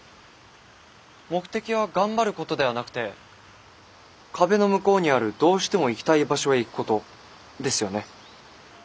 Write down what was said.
目的は頑張ることではなくて壁の向こうにあるどうしても行きたい場所へ行くことですよね？